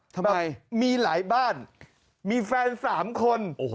ทำไมมีหลายบ้านมีแฟน๓คน